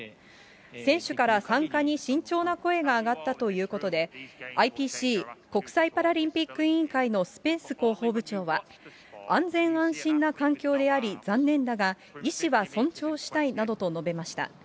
選手から参加に慎重な声が上がったということで、ＩＰＣ・国際パラリンピック委員会のスペンス広報部長は、安全安心な環境であり、残念だが、意思は尊重したいなどと述べました。